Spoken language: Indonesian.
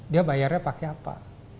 dia bayarnya pakai apa